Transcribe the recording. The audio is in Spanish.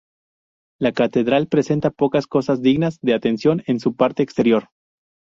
La catedral presenta pocas cosas dignas de atención en su parte exterior.